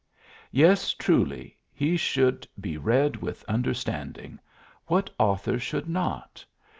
Yes, truly, he should be read with understanding; what author should not?